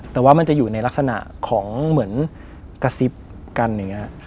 แต่ว่ามันจะอยู่ในลักษณะของเหมือนกระซิบกันอย่างนี้